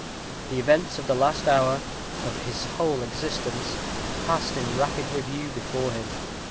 The events of the last hour of his whole existence passed in rapid review before him.